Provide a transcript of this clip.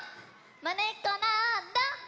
まねっこなんだ？